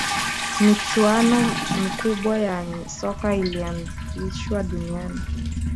michuano mikubwa ya soka ilianzishwa duniani